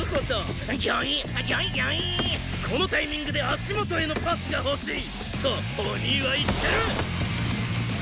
このタイミングで足元へのパスが欲しい。とお兄は言ってる！